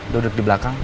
duduk di belakang